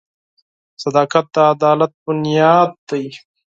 • صداقت د عدالت بنیاد دی.